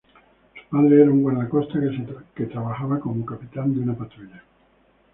Su padre es un guardacostas que trabaja como capitán de una patrulla.